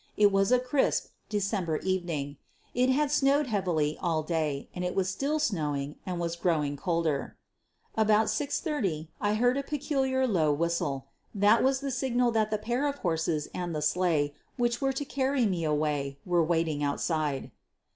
It was a crisp December evening. It had snowed heav ily all day, and it was still snowing and was grow ing colder. About 6 :30 I heard a peculiar low whistle. That was the signal that the pair of horses and the sleigh which were to carry me away were waiting outside.